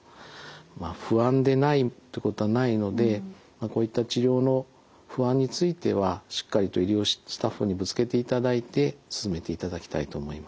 まあ不安でないっていうことはないのでこういった治療の不安についてはしっかりと医療スタッフにぶつけていただいて進めていただきたいと思います。